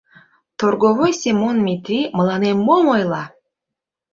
Торговой Семон Метри мыланем мом ойла!..